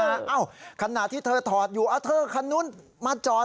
เอ้าขณะที่เธอถอดอยู่เอาเธอคันนู้นมาจอด